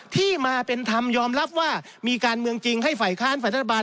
ที่มาเป็นธรรมยอมรับว่ามีการเมืองจริงให้ฝ่ายค้านฝ่ายรัฐบาล